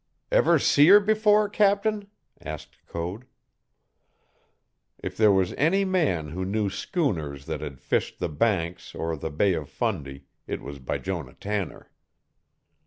"Ever see her before, captain?" asked Code. If there was any man who knew schooners that had fished the Banks or the Bay of Fundy, it was Bijonah Tanner.